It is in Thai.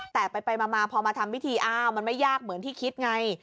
แต่ไปมาพอมาทำพิธีอ้าวมันไม่ยากเหมือนที่คิดไง